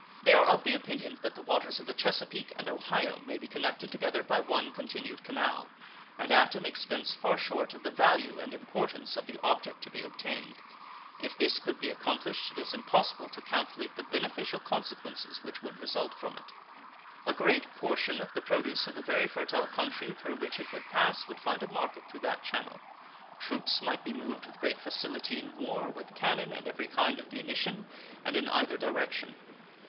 They are of the opinion that the waters of the Chesapeake and Ohio may be connected together by one continued canal, and at an expense far short of the value and importance of the object to be obtained. If this could be accomplished it is impossible to calculate the beneficial consequences which would result from it. A great portion of the produce of the very fertile country through which it would pass would find a market through that channel. Troops might be moved with great facility in war, with cannon and every kind of munition, and in either direction.